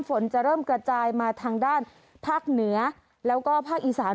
ฝนจะเริ่มกระจายมาทางด้านภาคเหนือแล้วก็ภาคอีสาน